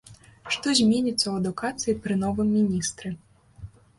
Што зменіцца ў адукацыі пры новым міністры.